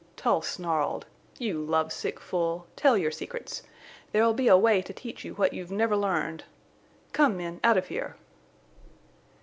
Tull snarled. "You love sick fool! Tell your secrets. There'll be a way to teach you what you've never learned.... Come men out of here!"